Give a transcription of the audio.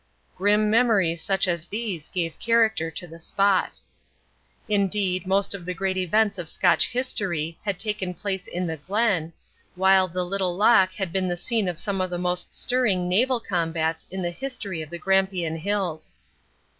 Grim memories such as these gave character to the spot. Indeed, most of the great events of Scotch history had taken place in the Glen, while the little loch had been the scene of some of the most stirring naval combats in the history of the Grampian Hills.